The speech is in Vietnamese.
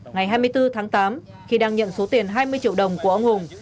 ngày hai mươi bốn tháng tám khi đang nhận số tiền hai mươi triệu đồng của ông hùng